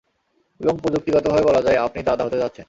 এবং প্রযুক্তিগত ভাবে বলা যায়, আপনি দাদা হতে যাচ্ছেন।